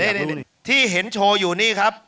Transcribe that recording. นี่ที่เห็นโชว์อยู่นี่ครับ